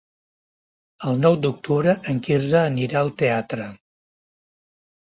El nou d'octubre en Quirze anirà al teatre.